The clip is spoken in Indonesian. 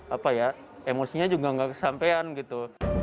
apa ya emosinya juga nggak kesampean gitu